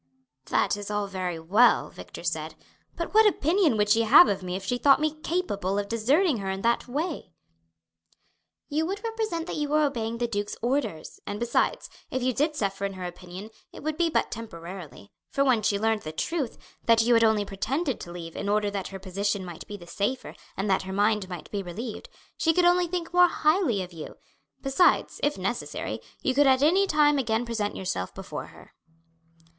"That is all very well," Victor said; "but what opinion would she have of me if she thought me capable of deserting her in that way?" "You would represent that you were obeying the duke's orders; and besides, if you did suffer in her opinion it would be but temporarily, for when she learned the truth, that you had only pretended to leave in order that her position might be the safer and that her mind might be relieved, she could only think more highly of you. Besides, if necessary, you could at any time again present yourself before her."